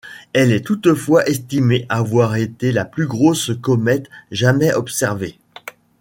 Elle est toutefois estimée avoir été la plus grosse comète jamais observée.